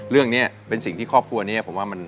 เรื่องนี้เป็นสิ่งที่ครอบครัวนี้